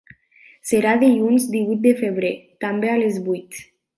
Serà dilluns divuit de febrer també a les vuit.